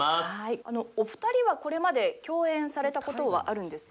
お二人はこれまで共演されたことはあるんですか？